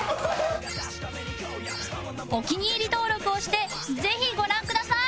お気に入り登録をしてぜひご覧ください！